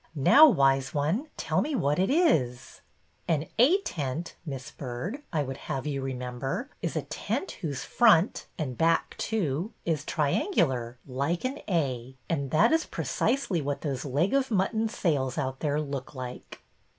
Now, wise one, tell me what it is." '' An A tent. Miss Byrd, I would have you remember, is a tent whose front — and back, too — is triangular, like an A, and that is precisely what those leg of mutton sails out there look like."